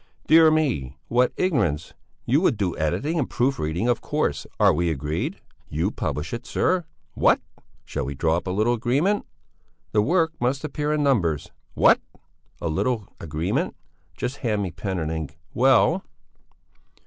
"Dear me, what ignorance! You would do the editing and proof reading, of course. Are we agreed? You publish it, sir! What? Shall we draw up a little agreement? The work must appear in numbers. What? A little agreement. Just hand me pen and ink. Well?"